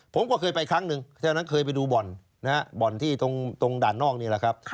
ผมก็เคยไปครั้งหนึ่งฉะนั้นเคยไปดูบ่อนนะฮะบ่อนที่ตรงด่านนอกนี่แหละครับ